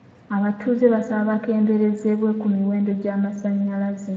Abatuuze baasaba bakendereezebwe ku miwendo gy'amasanyalaze.